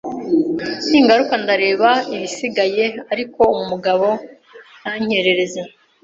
ningaruka ndareba ibisigaye ariko umugabo ntankereze